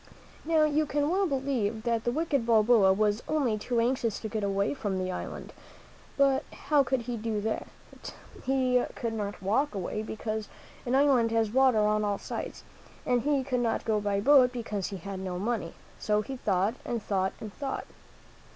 Now, you can well believe that the wicked Balboa was only too anxious to get away from the island. But how could he do it? He could not walk away, because an island has water on all sides, and he could not go by boat, because he had no money; so he thought and thought and thought.